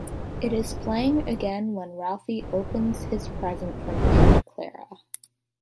It is playing again when Ralphie opens his present from Aunt Clara.